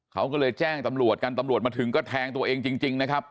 เขาก็เลยแจ้งตำรวจกันตำรวจมาถึงก็แทงตัวเองจริงนะครับ